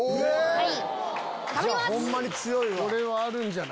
はい！